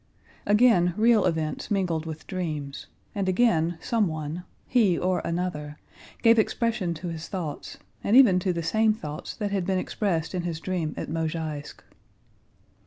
Again real events mingled with dreams and again someone, he or another, gave expression to his thoughts, and even to the same thoughts that had been expressed in his dream at Mozháysk.